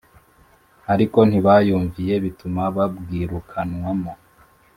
Ariko ntibayumviye bituma babwirukanwamo